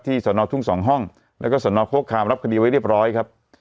ที่เสนอทุ่งสองห้องแล้วก็เสนอโครกคามรับคดีไว้เรียบร้อยครับ